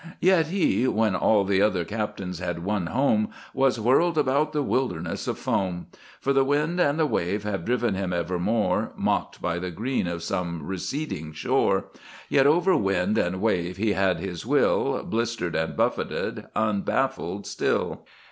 Yet he, When all the other captains had won home, Was whirled about the wilderness of foam: For the wind and the wave have driven him evermore, Mocked by the green of some receding shore. Yet over wind and wave he had his will, Blistered and buffeted, unbaffled still.